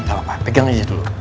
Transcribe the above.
gapapa pegang aja dulu